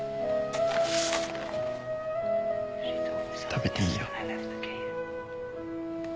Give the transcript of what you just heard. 食べていいよ。